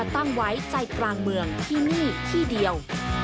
ตั้งไว้ใจกลางเมืองที่นี่ที่เดียว